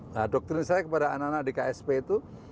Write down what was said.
nah doktrin saya kepada anak anak di ksp itu